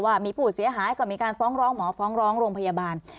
ว่ามีผู้เสียหายก็มีการฟ้องร้องหมอฟ้องร้องโรงพยาบาล